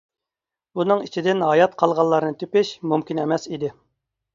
بۇنىڭ ئىچىدىن ھايات قالغانلارنى تېپىش مۇمكىن ئەمەس ئىدى.